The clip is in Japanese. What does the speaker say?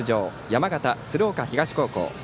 山形・鶴岡東高校。